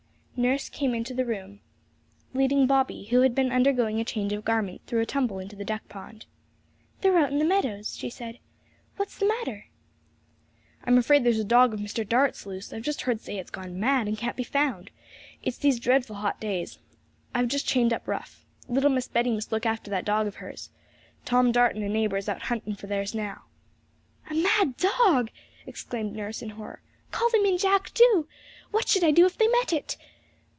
Nurse came into the room, leading Bobby, who had been undergoing a change of garments through a tumble into the duck pond. 'They're out in the meadows,' she said; 'what's the matter?' 'I'm afraid there's a dog of Mr. Dart's loose; I've just heard say it's gone mad, and can't be found! It's these dreadful hot days. I've just chained up Rough. Little Miss Betty must look after that dog of hers. Tom Dart and a neighbour is out huntin' for theirs now.' 'A mad dog!' exclaimed nurse in horror; 'call them in, Jack, do! What should I do if they met it?'